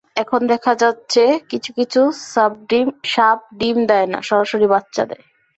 এখন দেখা যাচ্ছে কিছু-কিছু সাপডিম দেয় না, সরাসরি বাচ্চা দেয়।